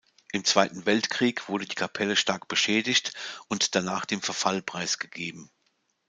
Im Zweiten Weltkrieg wurde die Kapelle stark beschädigt und danach dem Verfall preisgegeben.